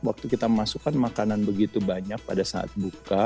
waktu kita masukkan makanan begitu banyak pada saat buka